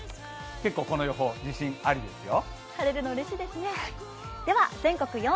結構この予報、自信アリですよ。